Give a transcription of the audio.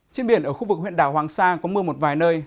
trên biển ở khu vực huyện đảo hoàng sa có mưa một vài nơi